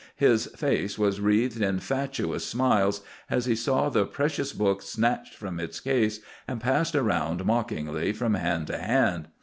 His face was wreathed in fatuous smiles as he saw the precious book snatched from its case and passed around mockingly from hand to hand.